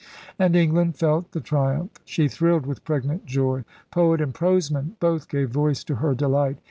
And England felt the triumph. She thrilled with pregnant joy. Poet and proseman both gave voice to her delight.